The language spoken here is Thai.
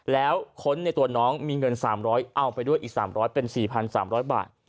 แล้วคนในตัวน้องมีเงิน๓๐๐เอาไปด้วย๓๐๐๐ชิคกี้พายาระเงิน๔๓๐๐บาท